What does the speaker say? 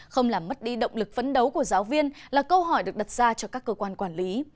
không làm mất đi động lực phấn đấu của giáo viên là câu hỏi được đặt ra cho các cơ quan quản lý